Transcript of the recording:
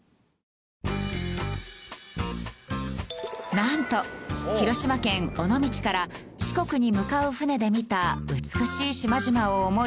なんと広島県尾道から四国に向かう船で見た美しい島々を思い